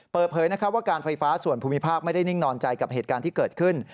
เปิดเผยว่าการไฟฟ้าส่วนภูมิภาคไม่ได้นิ่งนอนใจกับเหตุการณ์ที่เกิดขึ้น